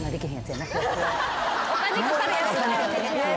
・お金かかるやつだ。